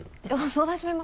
相談してみます？